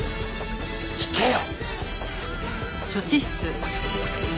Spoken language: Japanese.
聞けよ！